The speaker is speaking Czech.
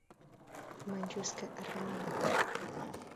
Mandžuské armády.